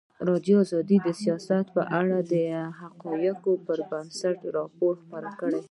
ازادي راډیو د سیاست په اړه د حقایقو پر بنسټ راپور خپور کړی.